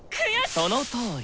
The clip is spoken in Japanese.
そのとおり。